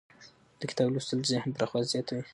د کتاب لوستل د ذهن پراخوالی زیاتوي.